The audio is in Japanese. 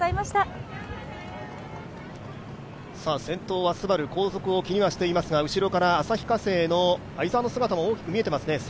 先頭はＳＵＢＡＲＵ、後続を気にはしていますが、後ろから旭化成の相澤の姿も大きく見えています。